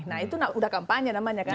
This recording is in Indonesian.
nah itu udah kampanye namanya kan